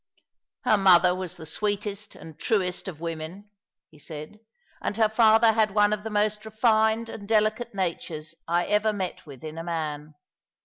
" Her mother was the sweetest and truest of women," he said, *' and her father had one of the most refined and delicate natures I ever mot with in a man.